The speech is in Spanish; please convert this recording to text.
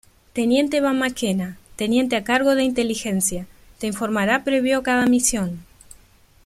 Teniente Eva McKenna: Teniente a cargo de Inteligencia, te informara previo a cada misión.